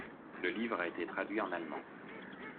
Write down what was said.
Le livre a été traduit en allemand.